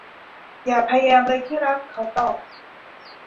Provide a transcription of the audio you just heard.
อย่าพยายามเลยที่รัก เขาตอบ